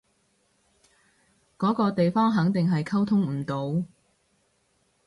嗰啲地方肯定係溝通唔到